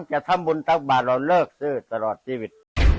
จะทำบุญตักบาทเราเลิกซื้อตลอดชีวิต